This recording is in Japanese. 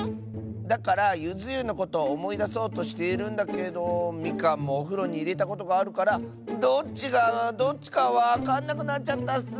だからゆずゆのことをおもいだそうとしているんだけどみかんもおふろにいれたことがあるからどっちがどっちかわかんなくなっちゃったッス。